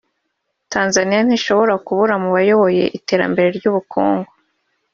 Tanzania ntishobora kubura mu bayoboye iterambere ry’ubukungu